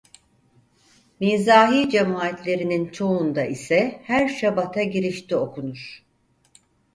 Mizrahi cemaatlerinin çoğunda ise her Şabat'a girişte okunur.